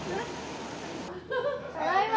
ただいま！